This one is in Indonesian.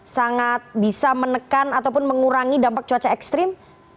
sangat bisa menekan ataupun mengurangi dampak cuaca ekstrim